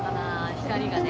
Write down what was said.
光がね。